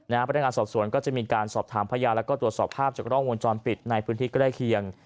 พนักงานสอบสวนก็จะมีการสอบถามพยานแล้วก็ตรวจสอบภาพจากกล้องวงจรปิดในพื้นที่ใกล้เคียง